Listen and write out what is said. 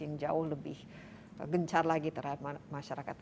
yang jauh lebih gencar lagi terhadap masyarakat